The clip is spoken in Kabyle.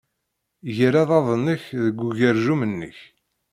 Ger aḍad-nnek deg ugerjum-nnek!